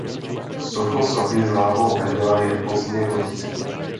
Sokl sochy s hlavou anděla je pozdně gotický.